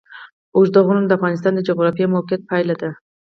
اوږده غرونه د افغانستان د جغرافیایي موقیعت پایله ده.